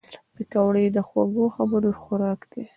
پکورې د خوږو خبرو خوراک دي